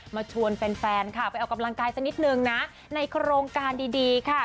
มาชวนแฟนค่ะไปออกกำลังกายสักนิดนึงนะในโครงการดีค่ะ